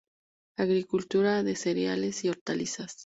Agricultura de cereales y hortalizas.